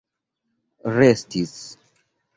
restis